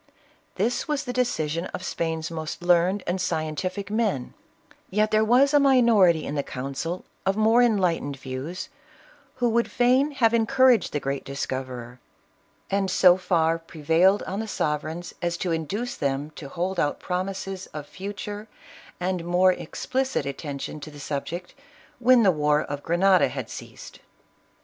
This was the decision of Spain's most learned and scientific men ; yet there was a minority in the council, of more enlightened views, who would fain have encouraged the great discoverer, and so far pre vaile I on the sovereigns as to induce them to hold out promises of future and more explicit attention to the subject, when the war of Grenada had ceased.